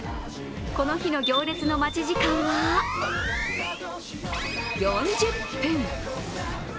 この日の行列の待ち時間は４０分。